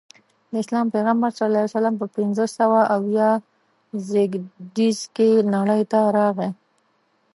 د اسلام پیغمبر ص په پنځه سوه اویا زیږدیز کې نړۍ ته راغی.